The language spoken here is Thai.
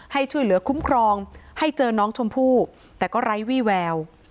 ให้ช่วยเหลือคุ้มครองให้เจอน้องชมพู่แต่ก็ไร้วี่แวว